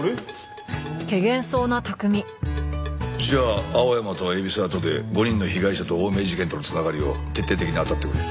じゃあ青山と海老沢とで５人の被害者と青梅事件との繋がりを徹底的に当たってくれ。